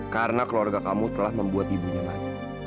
karena keluarga kamu telah membuat ibunya malam